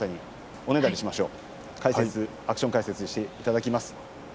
間垣親方にアクション解説していただきます。